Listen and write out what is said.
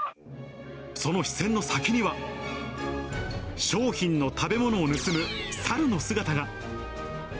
その視線の先には、商品の食べ物を盗む猿の姿が。